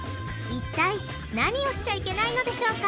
一体何をしちゃいけないのでしょうか？